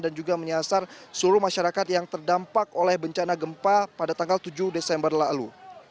dan juga menyasar seluruh masyarakat yang terdampak oleh bencana gempa pada tanggal tujuh desember lalu